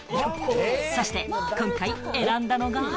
そして今回選んだのが。